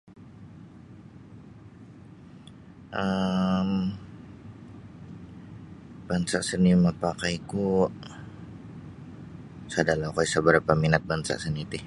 um Bansa seni mapakaiku sada la okoi isa barapa minat bansa seni ti